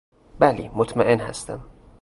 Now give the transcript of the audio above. بلی مطمئن هستم.